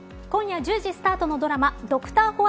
今夜１０時スタートのドラマドクター